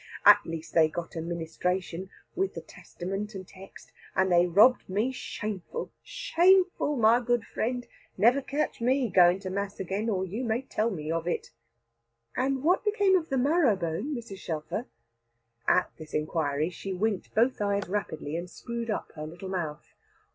At last they got a ministration[#] with the testament and text, and they robbed me shameful, shameful, my good friend. Never catch me going to mass again, or you may tell me of it." [#]? Letters of Administration cum testamento annexo. "And what became of the marrow bone, Mrs. Shelfer?" At this inquiry, she winked both eyes rapidly, and screwed up her little mouth.